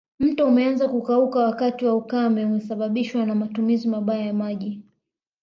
Mto umeanza kukauka wakati wa ukame umesababishwa na matumizi mabaya ya maji